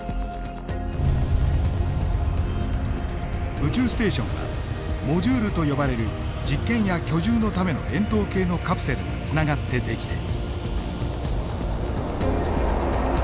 宇宙ステーションはモジュールと呼ばれる実験や居住のための円筒形のカプセルがつながって出来ている。